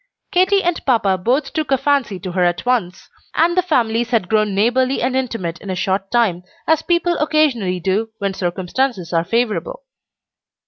Katy and papa both took a fancy to her at once; and the families had grown neighborly and intimate in a short time, as people occasionally do when circumstances are favorable.